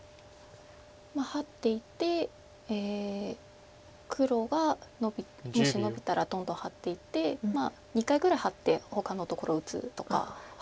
まあハッていって黒がもしノビたらどんどんハッていってまあ２回ぐらいハッてほかのところを打つとか。